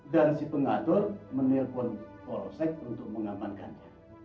dan si pengatur menelpon polsek untuk mengamankannya